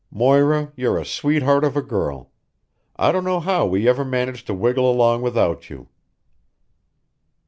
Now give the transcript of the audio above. "Moira, you're a sweetheart of a girl. I don't know how we ever managed to wiggle along without you."